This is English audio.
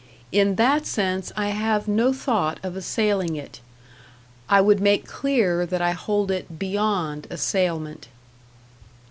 In that sense I have no thought of assailing it, I would make clear that I hold it beyond assailment.